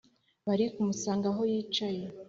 bari kumusanga aho yicaye,